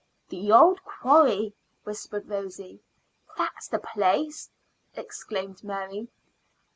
"The old quarry," whispered Rosy. "That's the place!" exclaimed Mary.